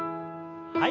はい。